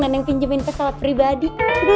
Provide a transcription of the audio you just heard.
neneng pinjemin pesawat pribadi